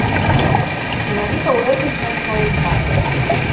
Менавіта ў гэтым сэнс маёй фразы.